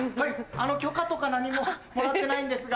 許可とか何ももらってないんですが。